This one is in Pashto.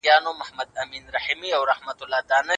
سياسي افکار په تاريخ کي ډېره لرغونې مخينه لري.